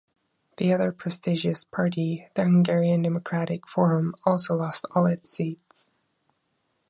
The other prestigious party, the Hungarian Democratic Forum also lost all its seats.